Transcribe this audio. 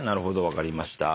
分かりました。